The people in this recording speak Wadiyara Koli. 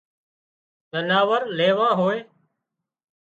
زناور ليوون هوئي